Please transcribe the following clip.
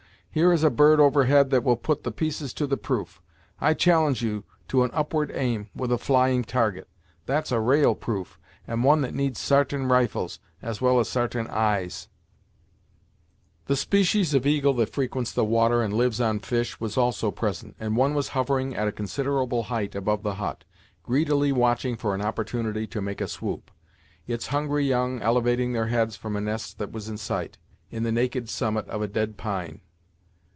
Here is a bird over head that will put the pieces to the proof. I challenge you to an upward aim, with a flying target. That's a ra'al proof, and one that needs sartain rifles, as well as sartain eyes." The species of eagle that frequents the water, and lives on fish, was also present, and one was hovering at a considerable height above the hut, greedily watching for an opportunity to make a swoop; its hungry young elevating their heads from a nest that was in sight, in the naked summit of a dead pine.